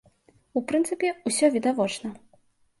У прынцыпе, усё відавочна.